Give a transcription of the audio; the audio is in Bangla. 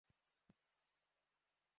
বলো তাকে যে কোন কিছুর মূল্যে তাকে থামাবে?